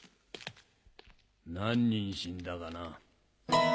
何人死んだかな。